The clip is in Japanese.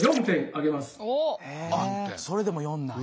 あそれでも４なんや。